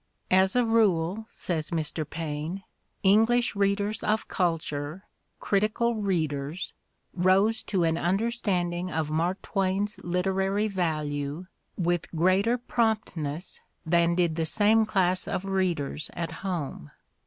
"As a rule," says Mr. Paine, "English readers of culture, critical readers, rose to an understanding of Mark Twain's literary value with greater promptness than did the same class of readers at home."